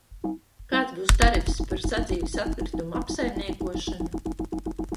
Kāds būs tarifs par sadzīves atkritumu apsaimniekošanu?